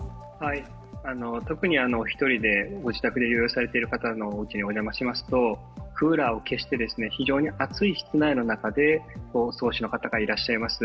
特に一人でご自宅で療養されている方のお宅にお邪魔しますとクーラーを消して非常に暑い室温の中にいらっしゃる方もいらっしゃいます。